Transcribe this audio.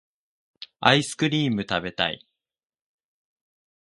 アイスクリームたべたい